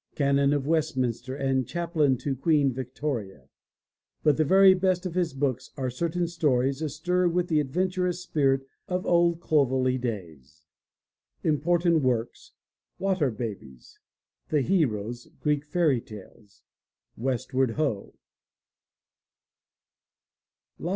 Canon of Westminster and Chaplain to Queen Victoria. But the very best of his books are certain stories astir with the adventurous spirit of old Clovelly days. Important Works: Water Babies. The Heroes. {Greek Fairy Tales.) Westward Ho!